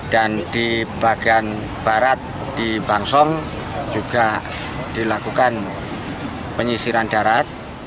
dan di bagian barat di bangsong juga dilakukan penyisiran darat